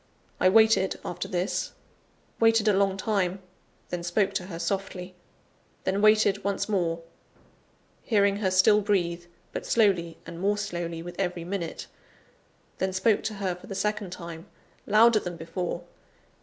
I waited after this waited a long time then spoke to her softly then waited once more; hearing her still breathe, but slowly and more slowly with every minute then spoke to her for the second time, louder than before.